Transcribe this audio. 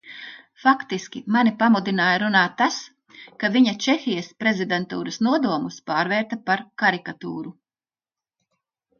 Faktiski mani pamudināja runāt tas, ka viņa Čehijas prezidentūras nodomus pārvērta par karikatūru.